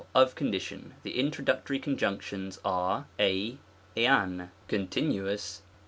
Of Condition. The Introductory conjunctions are d^ idv (cont.